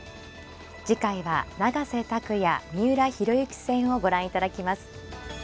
次回は永瀬拓矢三浦弘行戦をご覧いただきます。